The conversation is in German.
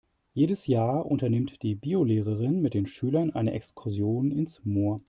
Jedes Jahr unternimmt die Biolehrerin mit den Schülern eine Exkursion ins Moor.